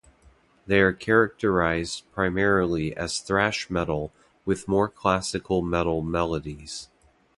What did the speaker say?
They are characterized primarily as thrash metal with more classical metal melodies.